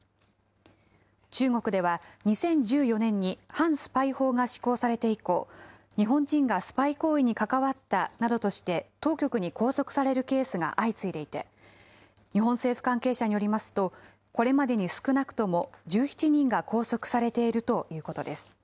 中国では、２０１４年に反スパイ法が施行されて以降、日本人がスパイ行為に関わったなどとして当局に拘束されるケースが相次いでいて、日本政府関係者によりますと、これまでに少なくとも１７人が拘束されているということです。